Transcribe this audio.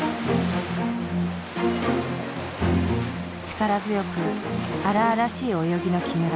力強く荒々しい泳ぎの木村。